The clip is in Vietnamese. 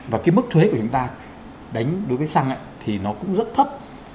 và cái mức thuế của chúng ta đánh đối với xăng thì nó cũng rất thấp